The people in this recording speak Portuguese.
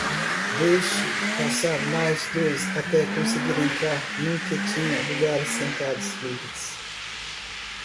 Deixei passar mais dois até conseguir entrar num que tinha lugares sentados livres.